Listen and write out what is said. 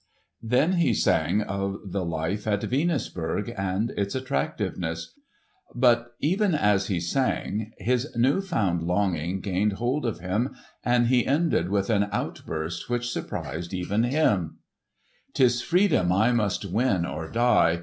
Then he sang of the life at Venusberg and its attractiveness. But even as he sang his new found longing gained hold of him and he ended with an outburst which surprised even him: "'Tis freedom I must win or die.